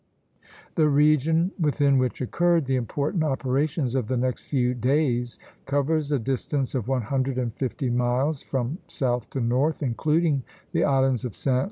The region within which occurred the important operations of the next few days covers a distance of one hundred and fifty miles, from south to north, including the islands of Sta.